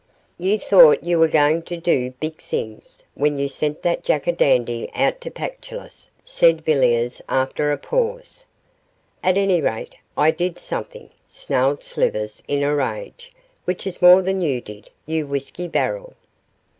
'You thought you were going to do big things when you sent that jackadandy out to the Pactolus,' said Villiers, after a pause. 'At any rate, I did something,' snarled Slivers, in a rage, 'which is more than you did, you whisky barrel.